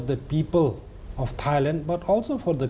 มันเป็นสิ่งที่สุดท้ายที่สุดท้าย